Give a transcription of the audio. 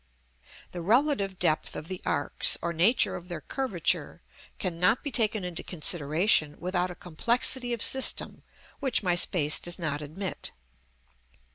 The relative depth of the arcs, or nature of their curvature, cannot be taken into consideration without a complexity of system which my space does not admit.